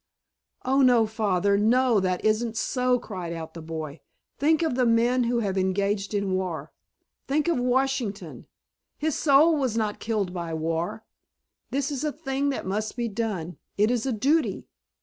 "Oh no, Father, no, that isn't so!" cried out the boy. "Think of the men who have engaged in war! Think of Washington—his soul was not killed by war. This is a thing that must be done. It is a duty.